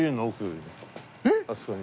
あそこに。